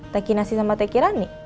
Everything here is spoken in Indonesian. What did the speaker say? teki nasi sama teki rani